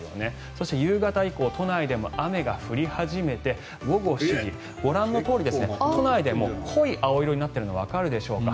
そして夕方以降、都内でも雨が降り始めて午後７時、ご覧のとおり都内でも濃い青色になっているのわかるでしょうか。